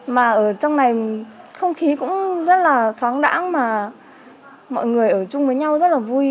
mà ở trong này không khí cũng rất là thoáng đẳng mà mọi người ở chung với nhau rất là vui